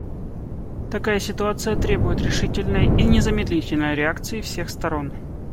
Такая ситуация требует решительной и незамедлительной реакции всех сторон.